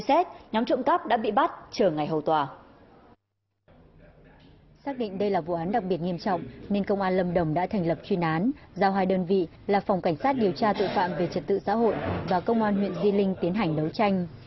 xác định đây là vụ án đặc biệt nghiêm trọng nên công an lâm đồng đã thành lập chuyên án giao hai đơn vị là phòng cảnh sát điều tra tội phạm về trật tự xã hội và công an huyện di linh tiến hành đấu tranh